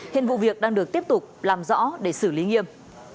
hiện vụ việc đang được tiếp tục làm rõ để xử lý nghiêm